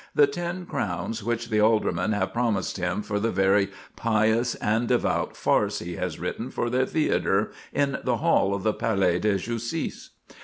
—the ten crowns, which the aldermen have promised him for the very pious and devout farce he has written for their theatre in the hall of the Palais de Justice"?